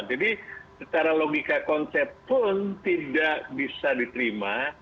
jadi secara logika konsep pun tidak bisa diterima